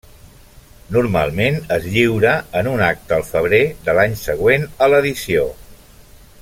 Normalment es lliura en un acte al febrer de l'any següent a l'edició.